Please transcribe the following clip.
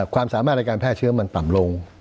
ความสามารถในการแพร่เชื้อมันต่ำลง